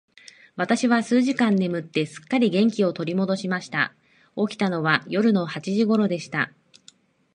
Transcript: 私は数時間眠って、すっかり元気を取り戻しました。起きたのは夜の八時頃でした。